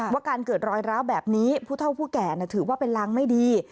ว่าการเกิดรอยร้าวแบบนี้ผู้เท่าผู้แก่ถือว่าเป็นรังไม่ดี